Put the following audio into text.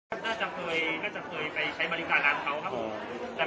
ก็น่าจะเคยน่าจะเคยไปใช้บริการร้านเขาครับ